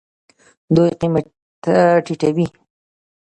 دوی قیمت ټیټوي.